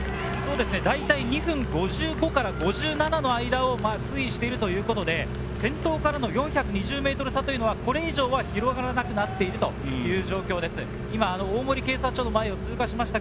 大体２分５５から５７の間を推移しているということで、先頭からの４２０ｍ差、これ以上は広がらなくなっているという状況です。